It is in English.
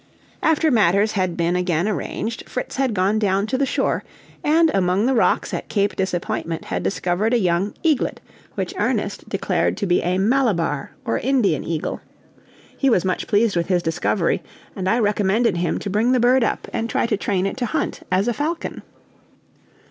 After matters had been again arranged, Fritz had gone down to the shore, and, among the rocks at Cape Disappointment, had discovered a young eaglet which Ernest declared to be a Malabar or Indian eagle; he was much pleased with his discovery, and I recommended him to bring the bird up and try to train it to hunt as a falcon.